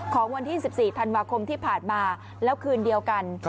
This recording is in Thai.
ของวันที่๑๔ธันวาคมที่ผ่านมาแล้วคืนเดียวกัน